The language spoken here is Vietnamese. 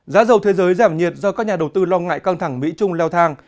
giá dầu thế giới giảm nhiệt do các nhà đầu tư lo ngại căng thẳng mỹ trung leo thang